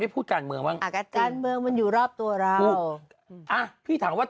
พูดการเมืองบ้างการเมืองมันอยู่รอบตัวเราอ่ะพี่ถามว่า